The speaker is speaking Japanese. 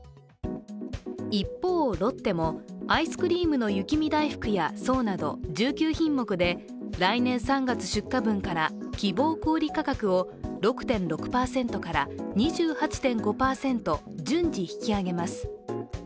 一方、ロッテも、アイスクリームの雪見だいふくや爽など１９品目で、来年３月出荷分から希望小売価格を６．６％から２８．５％、順次引き上げます。